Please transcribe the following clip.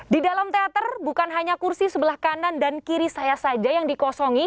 di dalam teater bukan hanya kursi sebelah kanan dan kiri saya saja yang dikosongi